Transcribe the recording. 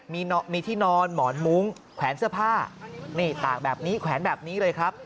มีที่นอนหมอนมุ้งแขวนเสื้อผ้านี่ตากแบบนี้แขวนแบบนี้เลยครับ